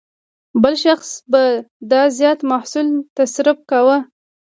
بل شخص به دا زیات محصول تصرف کاوه.